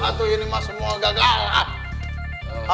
aduh ini mah semua gagal